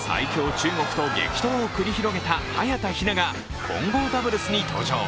・中国と激闘を繰り広げた早田ひなが混合ダブルスに登場。